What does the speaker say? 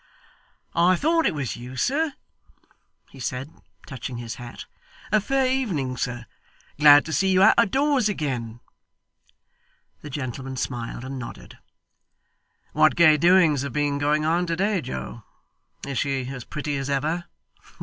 'I thought it was you, sir,' he said, touching his hat. 'A fair evening, sir. Glad to see you out of doors again.' The gentleman smiled and nodded. 'What gay doings have been going on to day, Joe? Is she as pretty as ever?